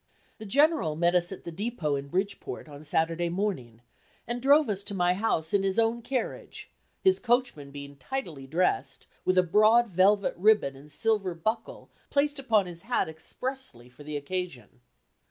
The General met us at the depot in Bridgeport, on Saturday morning, and drove us to my house in his own carriage his coachman being tidily dressed, with a broad velvet ribbon and silver buckle placed upon his hat expressly for the occasion.